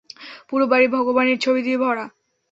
পুরো বাড়ি ভগবানের ছবি দিয়ে ভরা।